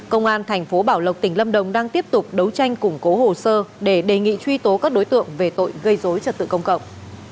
công an thành phố bảo lộc tỉnh lâm đồng đang tiếp tục đấu tranh củng cố hồ sơ để đề nghị truy tố các đối tượng về tội gây dối trật tự công cộng